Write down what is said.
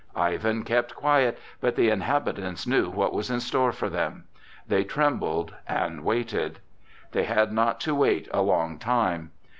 Ivan kept quiet, but the inhabitants knew what was in store for them. They trembled and waited. They had not to wait a long time.